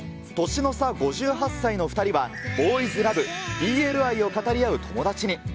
年の差５８歳の２人は、ボーイズラブ・ＢＬ愛を語り合う友達に。